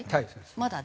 まだ？